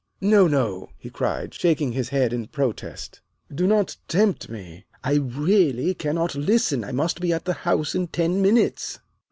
"No, no," he cried, shaking his head in protest. "Do not tempt me. I really cannot listen. I must be at the House in ten minutes."